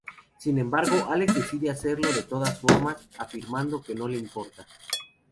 Sin embargo Álex decide hacerlo de todas formas afirmando que no le importa.